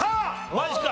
マジか。